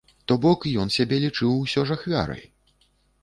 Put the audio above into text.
То бок, ён сябе лічыў усё ж ахвярай.